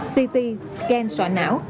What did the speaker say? ct scan sọ não